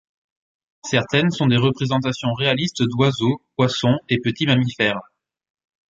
Certaines sont des représentations réalistes d'oiseaux, poissons, et petits mammifères.